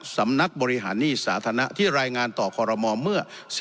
สำนักบริหารหนี้สาธารณะที่รายงานต่อคอรมอลเมื่อ